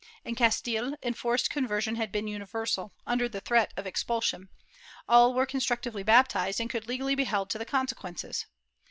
In Castile, enforced conversion had been universal, under threat of expulsion; all were constructively baptized and could legally be held to the consequences.